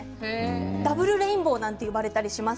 ダブルレインボーなんて呼ばれたりします。